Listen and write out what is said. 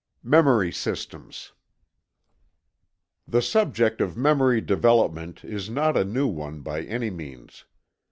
MEMORY SYSTEMS. The subject of Memory Development is not a new one by any means.